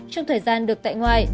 trong thời gian được tại ngoài